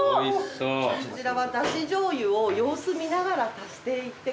こちらはだしじょうゆを様子見ながら足していってください。